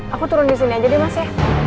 aku turun di sini aja deh mas ya